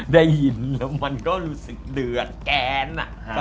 ได้ยินแล้วมันก็รู้สึกเดือดแกน